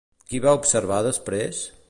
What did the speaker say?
Qui va observar després?